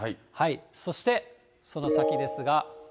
そしてその先ですが。